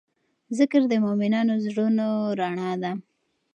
ذکر د مؤمنانو د زړونو رڼا ده.